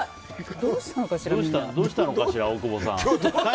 どうしたのかしら大久保さん。